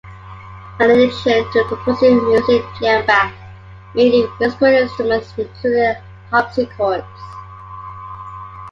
In addition to composing music, J. M. Bach made musical instruments, including harpsichords.